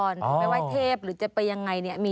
หรือไปไหว้เทพหรือจะไปอย่างไร